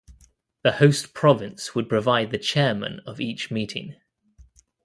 The host province would provide the chairman of each meeting.